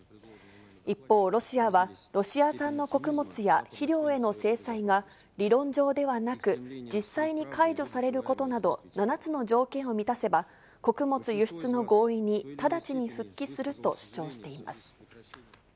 一方、ロシアはロシア産の穀物や肥料への制裁が理論上ではなく実際に解除されることなど７つの条件を満たせば、穀物輸出の合意に直ちに復帰すると主張しています。